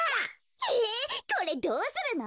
へえこれどうするの？